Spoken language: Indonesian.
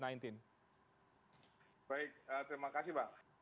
baik terima kasih bang